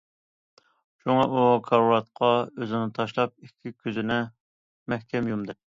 شۇڭا ئۇ كارىۋاتقا ئۆزىنى تاشلاپ، ئىككى كۆزىنى مەھكەم يۇمدى.